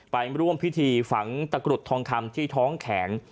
ไปร่วมพิธีฝังตะกรุดทองคำที่ท้องแขน